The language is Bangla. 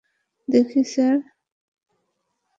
দেখছি, স্যার।